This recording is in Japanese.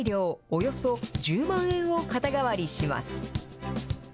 およそ１０万円を肩代わりします。